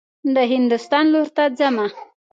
د هندوستان لور ته حمه.